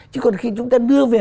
chứ còn khi chúng ta đưa về